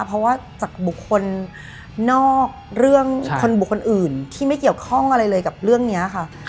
เพราะว่าจากบุคคลนอกเรื่องคนบุคคลอื่นที่ไม่เกี่ยวข้องอะไรเลยกับเรื่องนี้ค่ะ